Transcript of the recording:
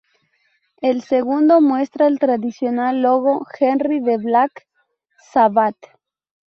El segundo muestra el tradicional logo henry de Black Sabbath.